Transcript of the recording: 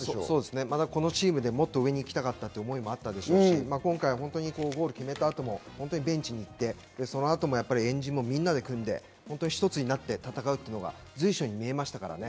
このチームでもっと上に行きたかったという思いもあったでしょうし、今回はゴールを決めたあともベンチに行って、その後も円陣もみんなで組んで一つになって戦うというのが随所に見えましたからね。